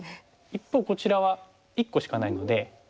一方こちらは１個しかないので。